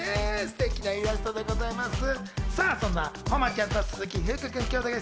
すてきなイラストでございます。